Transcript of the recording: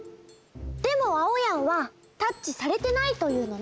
でもあおやんはタッチされてないというのね。